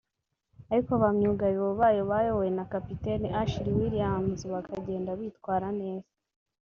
ariko ba myugariro bayo bayobowe na kapiteni Ashley Williams bakagenda bitwara neza